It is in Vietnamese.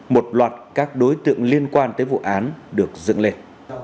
một loạt các đối tượng liên quan tới vụ án được dựng lên